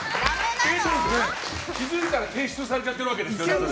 気づいたら提出されちゃってるわけですよね。